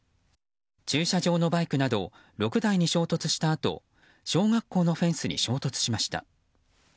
駐車場のバイクなど６台に衝突したあと小学校のフェンスに衝突しました。